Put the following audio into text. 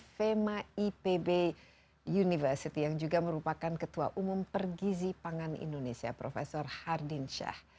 fema ipb university yang juga merupakan ketua umum pergizi pangan indonesia prof hardin shah